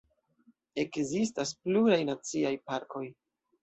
Ekzistas pluraj naciaj parkoj.